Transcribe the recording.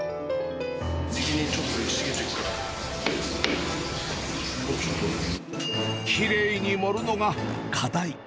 右にちょっと寄り過ぎてるかきれいに盛るのが課題。